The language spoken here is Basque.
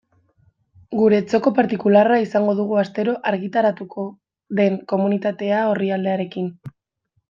Gure txoko partikularra izango dugu astero argitaratuko den Komunitatea orrialdearekin.